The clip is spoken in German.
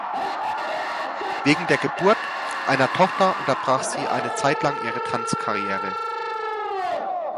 Wegen der Geburt einer Tochter unterbrach sie eine Zeitlang ihre Tanzkarriere.